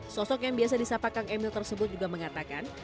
sosok yang biasa disapakan emil tersebut juga mengatakan